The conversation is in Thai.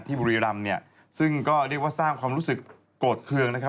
บุรีรำเนี่ยซึ่งก็เรียกว่าสร้างความรู้สึกโกรธเครื่องนะครับ